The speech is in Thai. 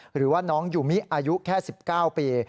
หรือว่าน้องยูมิอายุแค่๑๙ปี